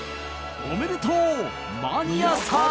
おめでとうマニアさん！